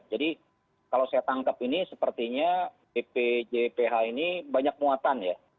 jadi kalau saya tangkap ini sepertinya bpjph ini banyak muatan ya